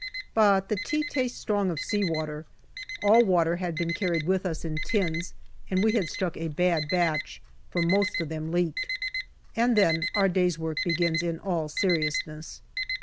But the tea tastes strong of sea water. All water had been carried with us in tins, and we had struck a bad batch, for most of them leaked. And then our day's work begins hi all seriousness.